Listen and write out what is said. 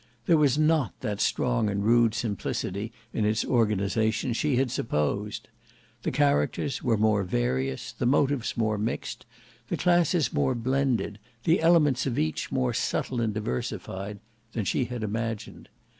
There was not that strong and rude simplicity in its organization she had supposed. The characters were more various, the motives more mixed, the classes more blended, the elements of each more subtle and diversified, than she had imagined.